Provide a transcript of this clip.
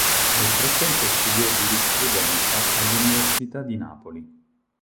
Nel frattempo studiò giurisprudenza all'Università di Napoli.